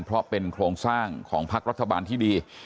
เพราะเป็นโครงสร้างของพักรัฐบาลที่ดี